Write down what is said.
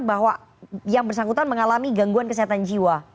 bahwa yang bersangkutan mengalami gangguan kesehatan jiwa